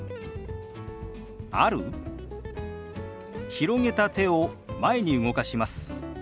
広げた手を前に動かします。